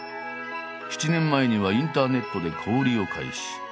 ７年前にはインターネットで小売りを開始。